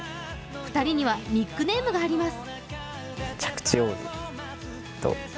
２人にはニックネームがあります。